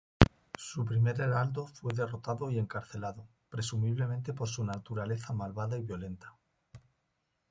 Su primer heraldo fue derrotado y encarcelado, presumiblemente por su naturaleza malvada y violenta.